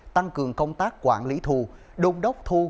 tăng cường công tác quản lý thu đôn đốc thu